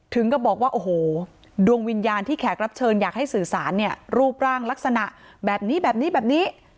ก็บอกว่าโอ้โหดวงวิญญาณที่แขกรับเชิญอยากให้สื่อสารเนี่ยรูปร่างลักษณะแบบนี้แบบนี้แบบนี้แบบนี้